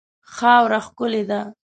خاوره ښکلې ده.